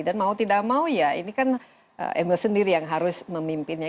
dan mau tidak mau ya ini kan emil sendiri yang harus memimpinnya